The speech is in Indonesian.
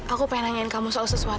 aku pengen nanyain kamu soal sesuatu